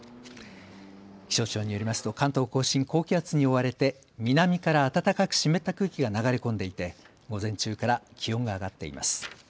気象庁によりますと関東甲信、高気圧に覆われて南から暖かく湿った空気が流れ込んでいて午前中から気温が上がっています。